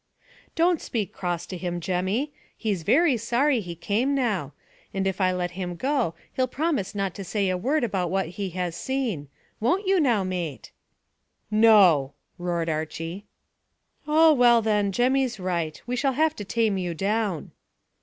"Don't speak cross to him, Jemmy. He's very sorry he came now, and if I let him go he'll promise not to say a word about what he has seen; won't you now, mate?" "No!" roared Archy. "Oh, well then, Jemmy's right. We shall have to tame you down."